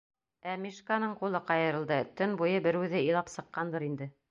Ә Мишканың ҡулы ҡайырылды, Төн буйы бер үҙе илап сыҡҡандыр инде.